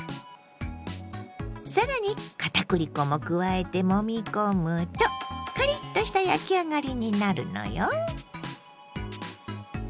更に片栗粉も加えてもみ込むとカリッとした焼き上がりになるのよ。